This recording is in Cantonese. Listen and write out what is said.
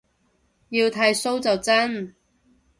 要剃鬚就真